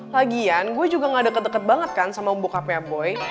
lagian gue juga gak deket deket banget kan sama membuka peaboy